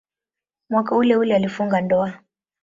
Mwaka uleule alifunga ndoa.